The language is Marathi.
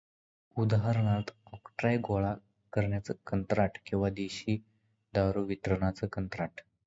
उदाहणार्थ ऑक्ट्रॉय गोळा करण्याचं कंत्राट किंवा देशी दारु वितरणाचं कंत्राट.